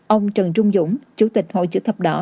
ông trần trung dũng chủ tịch hội chữ thập đỏ